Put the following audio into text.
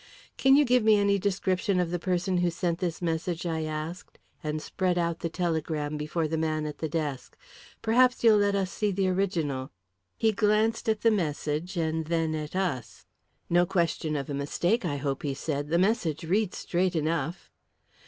"Can you give me any description of the person who sent this message?" I asked, and spread out the telegram before the man at the desk. "Perhaps you'll let us see the original." He glanced at the message and then at us. "No question of a mistake, I hope?" he said. "The message reads straight enough."